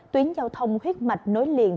tuyến giao thông huyết mạch nối liền